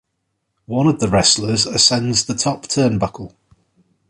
One of the wrestlers ascends the top turnbuckle.